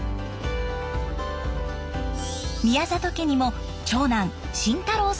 宮里家にも長男真太郎さんが誕生。